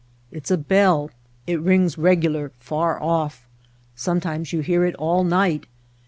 It's a bell. It rings regular, far off. Sometimes you hear it all night.